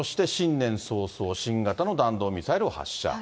そして新年早々、新型の弾道ミサイルを発射。